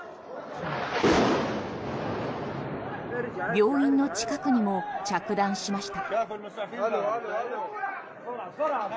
病院の近くにも着弾しました。